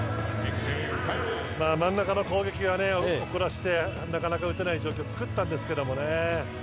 真ん中の攻撃は遅らせてなかなか打てない状況を作ったんですけどね。